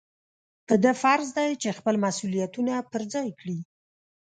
په ده فرض دی چې خپل مسؤلیتونه په ځای کړي.